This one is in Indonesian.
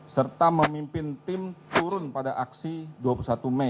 serta memimpin tim turun pada aksi dua puluh satu mei dua ribu sembilan belas